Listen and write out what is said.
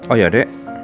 oh ya dek